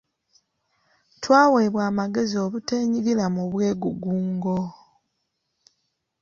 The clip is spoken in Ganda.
Twaweebwa amagezi obuteenyigira mu bwegugungo.